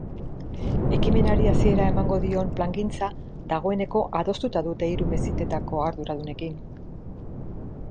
Ekimenari hasiera emango dion plangintza dagoeneko adostuta dute hiru meskitetako arduradunekin.